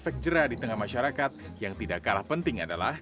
efek jerah di tengah masyarakat yang tidak kalah penting adalah